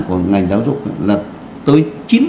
của ngành giáo dục là tới chín mươi